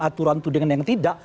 aturan itu dengan yang tidak